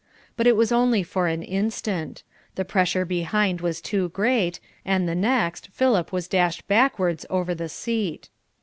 But it was only for an instant; the pressure behind was too great, and, the next Philip was dashed backwards over the seat.